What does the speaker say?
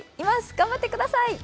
頑張ってください！